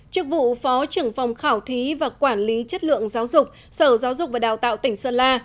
chức vụ phó trưởng phòng khảo thí và quản lý chất lượng giáo dục sở giáo dục và đào tạo tỉnh sơn la